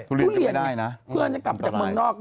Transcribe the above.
ทุเรียนพี่นุ่มจะกลับจากเมืองนอก